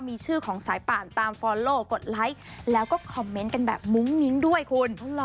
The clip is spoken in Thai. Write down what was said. มีชื่อของสายป่านตามฟอลโลกดไลค์แล้วก็คอมเมนต์กันแบบมุ้งมิ้งด้วยคุณ